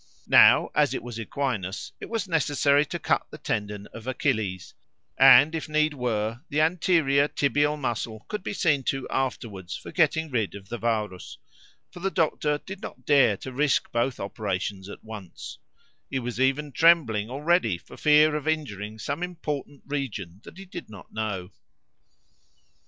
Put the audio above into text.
Now, as it was an equinus, it was necessary to cut the tendon of Achilles, and, if need were, the anterior tibial muscle could be seen to afterwards for getting rid of the varus; for the doctor did not dare to risk both operations at once; he was even trembling already for fear of injuring some important region that he did not know.